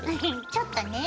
ちょっとね